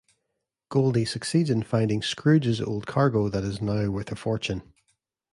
Goldie succeeds in finding Scrooge's old cargo that is now worth a fortune.